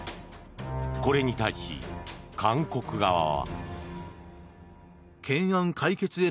これに対し、韓国側は。